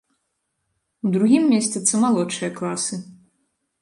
У другім месцяцца малодшыя класы.